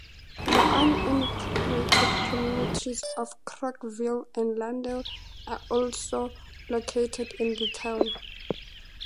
The unincorporated communities of Kroghville and London are also located in the town.